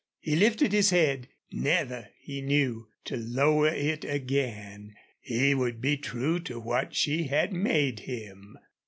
He lifted his head never, he knew, to lower it again. He would be true to what she had made him.